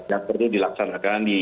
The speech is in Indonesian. yang perlu dilaksanakan di